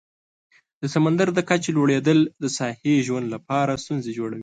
د سمندر د کچې لوړیدل د ساحلي ژوند لپاره ستونزې جوړوي.